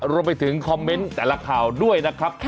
รวมไปถึงคอมเมนต์แต่ละข่าวด้วยนะครับ